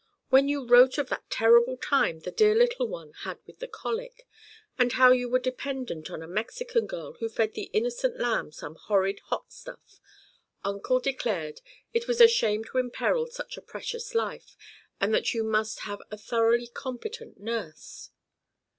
When you wrote of that terrible time the dear little one had with the colic, and how you were dependent on a Mexican girl who fed the innocent lamb some horrid hot stuff, Uncle declared it was a shame to imperil such a precious life, and that you must have a thoroughly competent nurse."